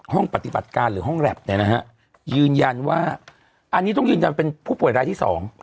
ห้องปฏิบัติการหรือห้องแล็บเนี่ยนะฮะยืนยันว่าอันนี้ต้องยืนยันเป็นผู้ป่วยรายที่๒